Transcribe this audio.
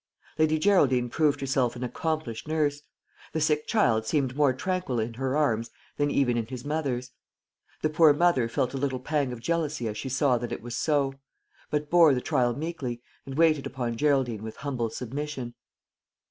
Lady Geraldine proved herself an accomplished nurse. The sick child seemed more tranquil in her arms than even in his mother's. The poor mother felt a little pang of jealousy as she saw that it was so; but bore the trial meekly, and waited upon Geraldine with humble submission.